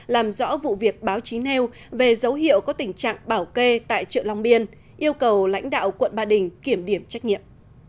làm rõ vụ việc báo chí nêu về dấu hiệu có tình trạng bảo kê tại chợ long biên yêu cầu lãnh đạo quận ba đình kiểm điểm trách nhiệm